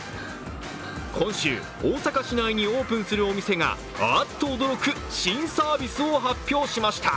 今週、大阪市内にオープンするお店が、あっと驚く新サービスを発表しました。